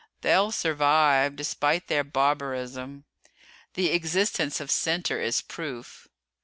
They'll survive, despite their barbarism. The existence of Center is proof."